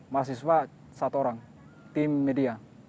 mahasiswa satu orang tim media